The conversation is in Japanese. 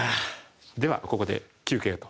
ではここで休憩と。